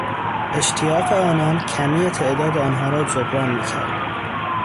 اشتیاق آنان کمی تعداد آنها را جبران میکرد.